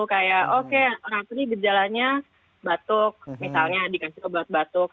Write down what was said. kayak oke orang sini gejalanya batuk misalnya dikasih obat batuk